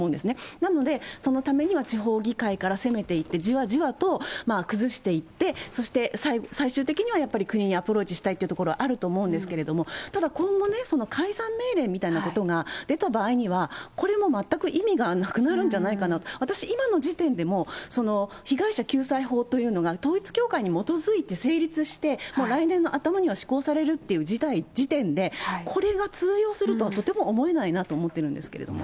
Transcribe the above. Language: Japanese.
なので、そのためには、地方議会から攻めていって、じわじわと崩していって、そして最終的にはやっぱり国にアプローチしたいというところはあると思うんですけれども、ただ、今後ね、その解散命令みたいなことが出た場合には、これも全く意味がなくなるんじゃないかなと、私、今の時点でも、被害者救済法というのが、統一教会に基づいて成立して、もう来年の頭には施行されるという時点で、これが通用するとはとても思えないなと思ってるんですけれども。